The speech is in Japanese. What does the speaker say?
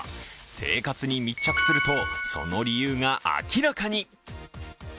生活に密着すると、その理由が明らかに。